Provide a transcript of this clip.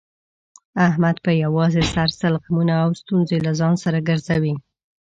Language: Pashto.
احمد په یووازې سر سل غمونه او ستونزې له ځان سره ګرځوي.